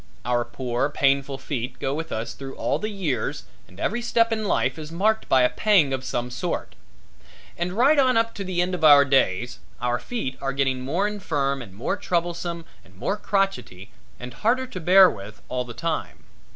Our poor, painful feet go with us through all the years and every step in life is marked by a pang of some sort. And right on up to the end of our days, our feet are getting more infirm and more troublesome and more crotchety and harder to bear with all the time.